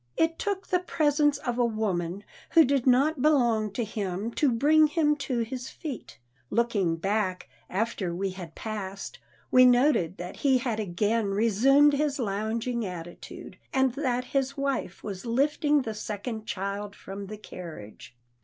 It took the presence of a woman who did not belong to him to bring him to his feet. Looking back, after we had passed, we noted that he had again resumed his lounging attitude, and that his wife was lifting the second child from the carriage.